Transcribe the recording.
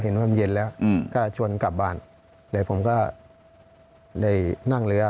เห็นว่ามันเย็นแล้วก็ชวนกลับบ้านเลยผมก็ได้นั่งเรือ